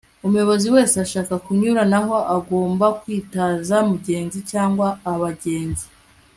umuyobozi wese ushaka kunyuranaho agomba kwitaza umugenzi cyangwa abagenzi